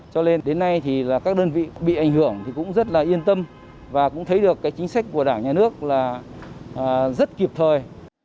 cho nên đến nay các đơn vị bị ảnh hưởng cũng rất yên tâm và cũng thấy được chính sách của đảng nhà nước rất kịp thời